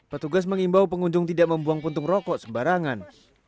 petugas mengimbau pengunjung tidak membuang puntung rokok sembarangan